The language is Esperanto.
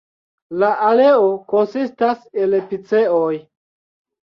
La aleo konsistas el piceoj.